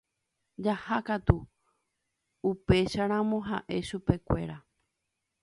Jahákatu upécharamo ha'e chupekuéra